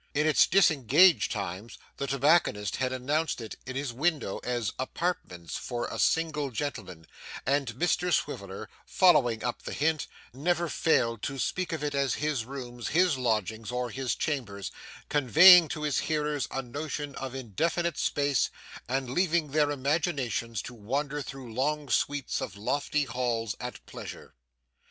In its disengaged times, the tobacconist had announced it in his window as 'apartments' for a single gentleman, and Mr Swiveller, following up the hint, never failed to speak of it as his rooms, his lodgings, or his chambers, conveying to his hearers a notion of indefinite space, and leaving their imaginations to wander through long suites of lofty halls, at pleasure.